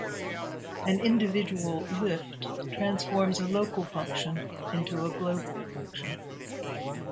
An individual "lift" transforms a local function into a global function.